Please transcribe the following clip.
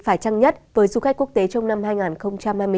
phải trăng nhất với du khách quốc tế trong năm hai nghìn hai mươi bốn